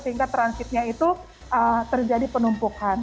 sehingga transitnya itu terjadi penumpukan